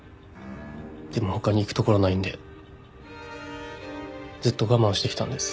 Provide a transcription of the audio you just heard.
でも他に行く所ないんでずっと我慢してきたんです。